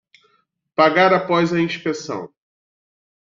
Pagar após inspeção